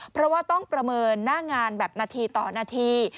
เพราะว่าต้องประเมินหน้างานแบบนาทีต่อนาที